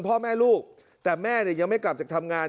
พ่อแม่ลูกแต่แม่ยังไม่กลับจากทำงาน